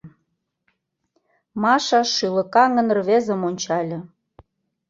Маша шӱлыкаҥын рвезым ончале.